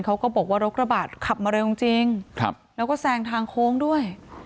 เขาก็บอกว่ารถกระบะขับมาเร็วจริงแล้วก็แซงทางโค้งด้วย